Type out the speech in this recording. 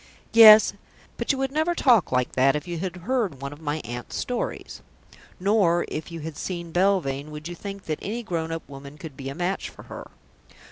Yes, but you would never talk like that if you had heard one of my aunt's stories. Nor if you had seen Belvane would you think that any grown up woman could be a match for her.